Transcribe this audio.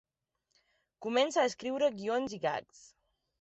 Comença a escriure guions i gags.